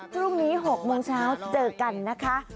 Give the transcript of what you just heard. พรุ่งนี้๖โมงเช้าเจอกันนะคะ